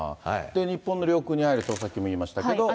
日本の領空に入ると、さっきも言いましたけれども。